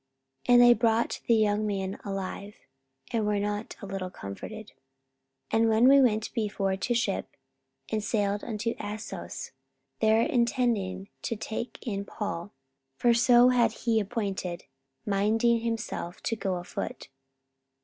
44:020:012 And they brought the young man alive, and were not a little comforted. 44:020:013 And we went before to ship, and sailed unto Assos, there intending to take in Paul: for so had he appointed, minding himself to go afoot.